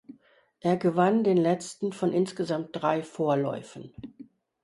Er gewann den letzten von insgesamt drei Vorläufen.